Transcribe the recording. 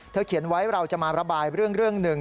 เขียนไว้เราจะมาระบายเรื่องหนึ่ง